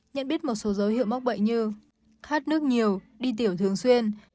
nhận biết một số dấu hiệu mắc bệnh như khát nước nhiều đi tiểu thường xuyên